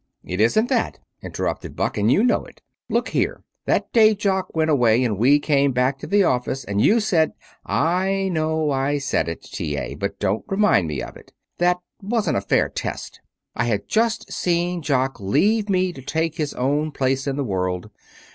"It isn't that," interrupted Buck, "and you know it. Look here! That day Jock went away and we came back to the office, and you said " "I know I said it, T. A., but don't remind me of it. That wasn't a fair test. I had just seen Jock leave me to take his own place in the world.